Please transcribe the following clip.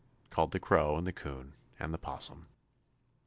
called the Crow and the 'Coon and the 'Possum.